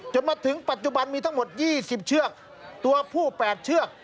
จนมาถึงปัจจุบันมีทั้งหมดยี่สิบเชือกตัวผู้แปดเชือก